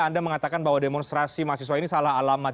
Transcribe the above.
anda mengatakan bahwa demonstrasi mahasiswa ini salah alamat